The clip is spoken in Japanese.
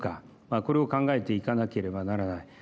これを考えていかなければならない。